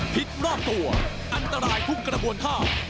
ผิดรอบตัวอันตรายทุกกระบวนท่า